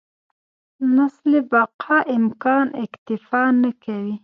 نسل بقا امکان اکتفا نه کوي.